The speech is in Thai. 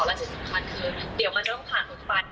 และสิ่งสำคัญคือเดี๋ยวมันจะต้องผ่านทุกวัน